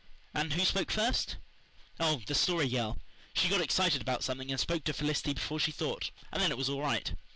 "And who spoke first?" "Oh, the Story Girl. She got excited about something and spoke to Felicity before she thought, and then it was all right.